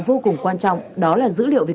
vô cùng quan trọng đó là dữ liệu về